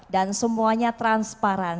dan semuanya transparan